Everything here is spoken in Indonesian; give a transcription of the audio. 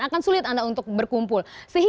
akan sulit anda untuk berkumpul